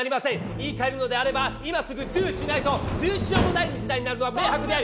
言いかえるのであれば今すぐドゥしないとドゥしようもない事態になるのは明白であり。